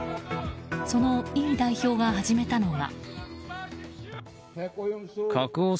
そのイ代表が始めたのが。